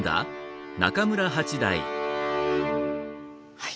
はい。